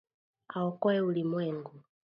Aokoe ulimwengu.